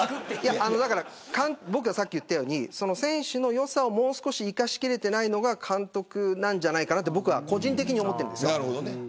僕がさっき言ったように選手の良さをもう少し生かし切れていないのが監督なんじゃないかなと個人的に思っているんです。